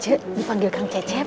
cek dipanggil kang cecep